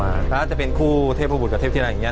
แล้วอาจจะเป็นคู่เทพบุตรกับเทพที่อะไรอย่างนี้